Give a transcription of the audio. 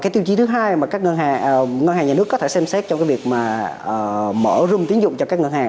tiêu chí thứ hai mà ngân hàng nhà nước có thể xem xét trong việc mở rung tín dụng cho các ngân hàng